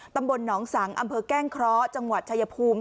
ตำบลหนองสังอำเภอแก้งเคราะห์จังหวัดชายภูมิ